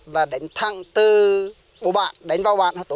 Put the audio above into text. và đánh thẳng từ bồ bản đánh vào bản tối hai mươi năm